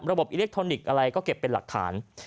อิเล็กทรอนิกส์อะไรก็เก็บเป็นหลักฐาน